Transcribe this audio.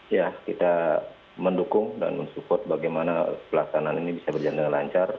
ya kita mendukung dan mensupport bagaimana pelaksanaan ini bisa berjalan dengan lancar